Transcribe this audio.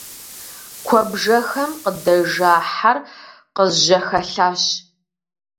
Куэбжэхэм къыдэжа хьэр къызжьэхэлъащ.